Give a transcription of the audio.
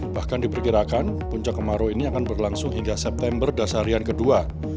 bahkan diperkirakan puncak kemarau ini akan berlangsung hingga september dasarian kedua